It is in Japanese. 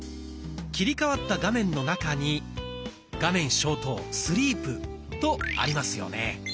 切り替わった画面の中に「画面消灯」とありますよね。